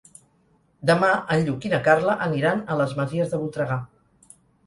Demà en Lluc i na Carla aniran a les Masies de Voltregà.